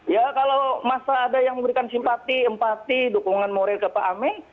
ya kalau masa ada yang memberikan simpati empati dukungan moral ke pak amin